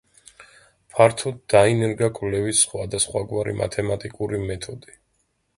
ფართოდ დაინერგა კვლევის სხვადასხვაგვარი მათემატიკური მეთოდი.